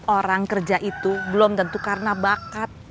orang kerja itu belum tentu karena bakat